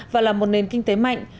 và là một nền kinh tế mạnh